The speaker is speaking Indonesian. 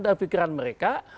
dan pikiran mereka